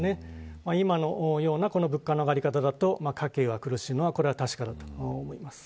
今のような物価の上がり方だと家計が苦しいのは確かです。